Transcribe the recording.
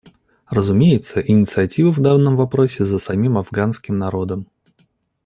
Разумеется, инициатива в данном вопросе за самим афганским народом.